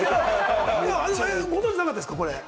ご存知なかったですか？